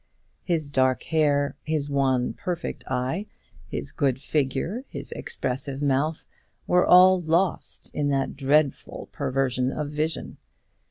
His dark hair, his one perfect eye, his good figure, his expressive mouth, were all lost in that dreadful perversion of vision.